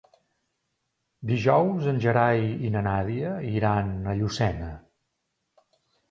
Dijous en Gerai i na Nàdia iran a Llucena.